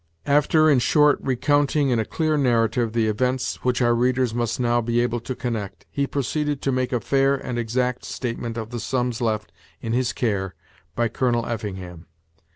After, in short, recounting in a clear narrative, the events which our readers must now be able to connect, he proceeded to make a fair and exact statement of the sums left in his care by Colonel Effingham.